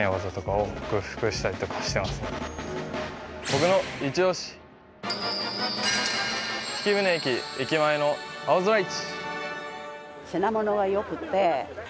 僕のいちオシ曳舟駅駅前の青空市！